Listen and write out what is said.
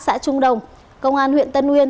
xã trung đồng công an huyện tân nguyên